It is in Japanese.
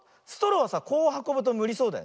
こうはこぶとむりそうだよね。